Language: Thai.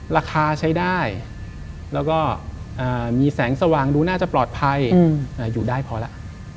ราคาใช้ได้แล้วก็มีแสงสว่างดูน่าจะปลอดภัยอยู่ได้พอแล้ว